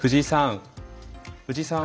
藤井さん。